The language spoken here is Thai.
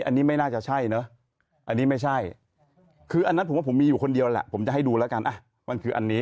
อันนี้ไม่น่าจะใช่เนอะอันนี้ไม่ใช่คืออันนั้นผมว่าผมมีอยู่คนเดียวแหละผมจะให้ดูแล้วกันมันคืออันนี้